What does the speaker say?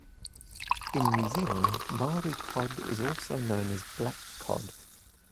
In New Zealand, Maori cod is also known as "black cod".